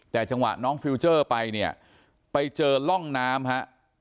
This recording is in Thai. แต่จังหวะน้องฟิลเจอร์ไปเนี่ยไปเจอร่องน้ำฮะ